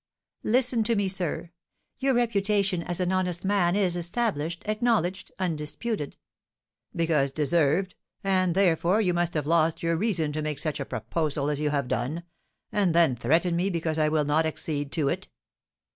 "Listen to me, sir! Your reputation as an honest man is established, acknowledged, undisputed " "Because deserved; and, therefore, you must have lost your reason to make me such a proposal as you have done, and then threaten me because I will not accede to it."